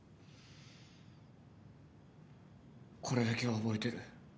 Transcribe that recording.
これだけは覚えてる。